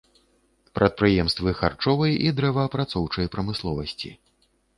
Прадпрыемствы харчовай і дрэваапрацоўчай прамысловасці.